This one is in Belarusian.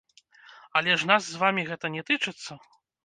Але ж нас з вамі гэта не тычыцца?